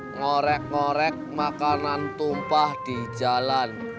ngorek ngorek makanan tumpah di jalan